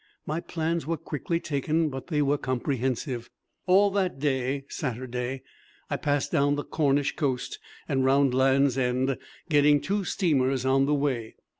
My plans were quickly taken, but they were comprehensive. All that day (Saturday) I passed down the Cornish coast and round Land's End, getting two steamers on the way.